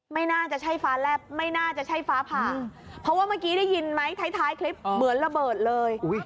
ไม่น่าจะใช่ฟ้าแลบไม่น่าจะใช่ฟ้าผ่าเพราะว่าเมื่อกี้ได้ยินไหมท้ายคลิปเหมือนระเบิดเลย